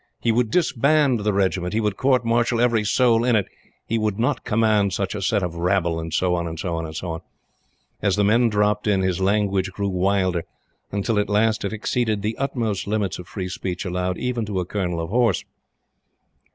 He would disband the Regiment he would court martial every soul in it he would not command such a set of rabble, and so on, and so on. As the men dropped in, his language grew wilder, until at last it exceeded the utmost limits of free speech allowed even to a Colonel of Horse.